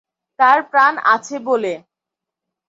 তার প্রাণ আছে বলে।